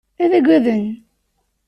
Ad agaden.